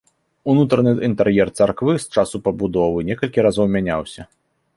Унутраны інтэр'ер царквы з часу пабудовы некалькі разоў мяняўся.